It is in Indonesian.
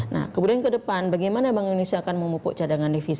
nah kemudian kedepan bagaimana bank indonesia akan mencapai keuntungan yang terbaik